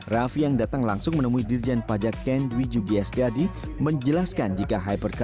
raffi yang datang langsung menemui ditjen pajak ken wijugias dadi menjelaskan jika hypercar itu bukan miliknya